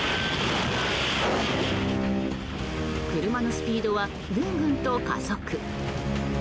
車のスピードはぐんぐんと加速。